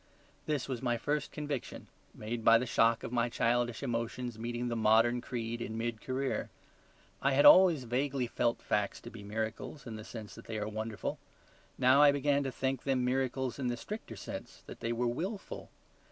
This was my first conviction; made by the shock of my childish emotions meeting the modern creed in mid career. I had always vaguely felt facts to be miracles in the sense that they are wonderful: now I began to think them miracles in the stricter sense that they were WILFUL.